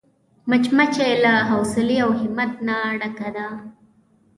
مچمچۍ له حوصلې او همت نه ډکه ده